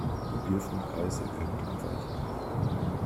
Mobilfunkpreise können abweichen.